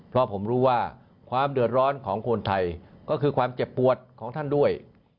เพราะผมรู้ว่าความเดือดร้อนของคนไทยก็คือความเจ็บปวดของท่านด้วย